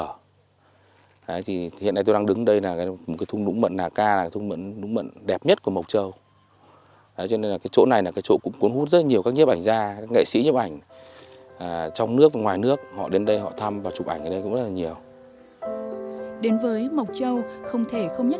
đấy thì hiện nay tôi đang đứng ở đây là một cái thung đũng mận hà ca là thung đũng mận hà ca